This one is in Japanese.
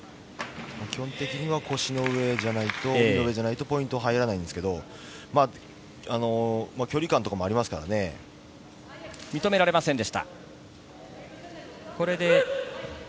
基本的には腰の上じゃないとポイント入らないんですけど、距離感とかもあり認められませんでした。